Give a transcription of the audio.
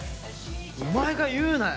お前が言うなよ！